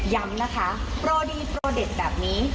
ย้ำนะคะโปรดีโปรเด็ดแบบนี้